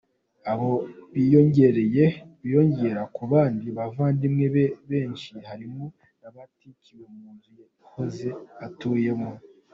Abo biyongera ku bandi bavandimwe be benshi harimo n’abatwikiwe mu nzu yahoze atuyemo.